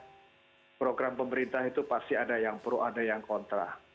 ya enggak masalah artinya setiap program pemerintah itu pasti ada yang pro ada yang kontra